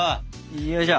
よいしょ！